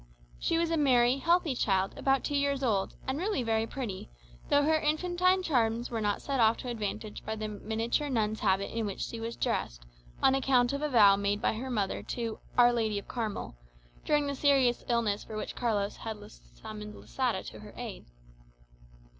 She was a merry, healthy child, about two years old, and really very pretty, though her infantine charms were not set off to advantage by the miniature nun's habit in which she was dressed, on account of a vow made by her mother to "Our Lady of Carmel," during the serious illness for which Carlos had summoned Losada to her aid.